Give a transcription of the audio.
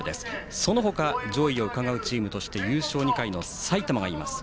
そのほか、上位をうかがうチームとして優勝２回の埼玉がいます。